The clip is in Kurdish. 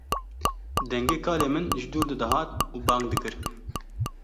Dengê kalê min ji dûr de hat û bang dikir